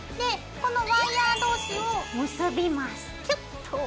このワイヤー同士を結びます。